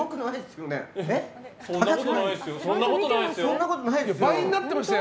そんなことないですよ。